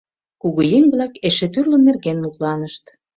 Кугыеҥ-влак эше тӱрлӧ нерген мутланышт.